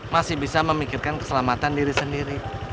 masih bisa memikirkan keselamatan diri sendiri